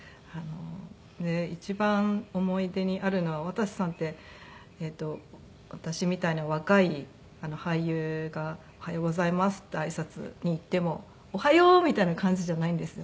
一番思い出にあるのは渡瀬さんって私みたいな若い俳優が「おはようございます」って挨拶に行っても「おはよう！」みたいな感じじゃないんですよ。